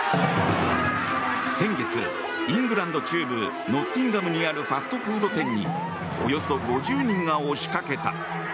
先月、イングランド中部ノッティンガムにあるファストフード店におよそ５０人が押し掛けた。